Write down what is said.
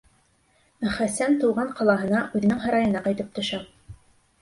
Ә Хәсән тыуған ҡалаһына, үҙенең һарайына ҡайтып төшә.